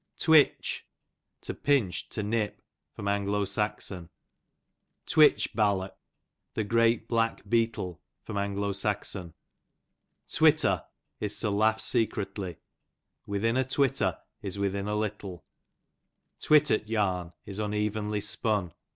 Twitch, to pinch, to nip. A. S. Twitcli ballock, the great black beetle. A. S. Twitter, is to laugh secretly, within a twitter, is within a little; twittert yam is unevenly spun.